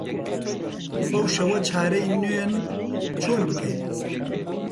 بەو شەوە چارەی نوێن چۆن بکەین؟